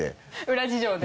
裏事情で。